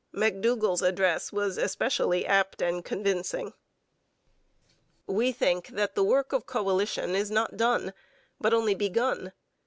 McDougall's address was especially apt and convincing: We think that the work of coalition is not done, but only begun.